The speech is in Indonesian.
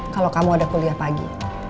kalau kamu ada kuliah pagi